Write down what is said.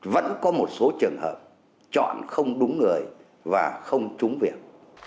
vẫn có một số trường hợp chọn không đúng người và không trúng việc